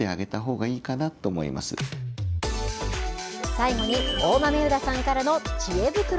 最後に、大豆生田さんからのちえ袋。